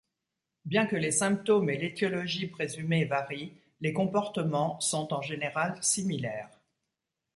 Bien que les symptômes et l'étiologie présumée varient, les comportements sont, en général, similaires.